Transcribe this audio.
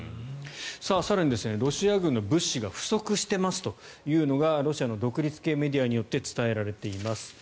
更に、ロシア軍の物資が不足していますというのがロシアの独立系メディアによって伝えられています。